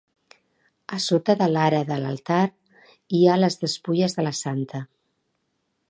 A sota de l'ara de l'altar, hi ha les despulles de la Santa.